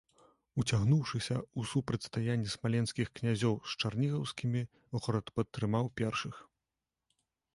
Уцягнуўшыся ў супрацьстаянне смаленскіх князёў з чарнігаўскімі, горад падтрымаў першых.